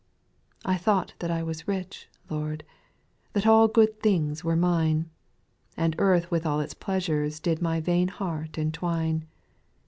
2. I thought that I was rich, Lord, That all good things were mine, And earth and all its pleasures Did my vain heart entwine.